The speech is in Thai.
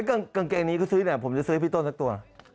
กางเกงนี้เขาซื้อเนี่ยผมจะซื้อให้พี่ต้นสักตัว